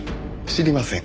知りません。